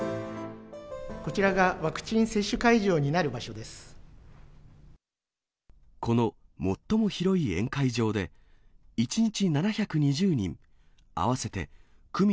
こちらがワクチン接種会場にこの最も広い宴会場で、１日７２０人、合わせて区民